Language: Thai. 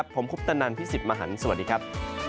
ผมคุปตนันพี่สิทธิ์มหันฯสวัสดีครับ